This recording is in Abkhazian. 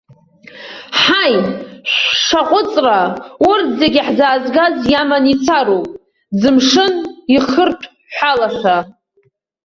Ҳаи, шәшаҟәыҵра, урҭ зегь иаҳзаазгаз иаман ицароуп, ӡымшын ихырҭәҳәалаша!